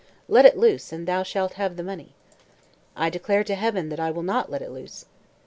Let it loose, and thou shalt have the money." "I declare to Heaven that I will not let it loose."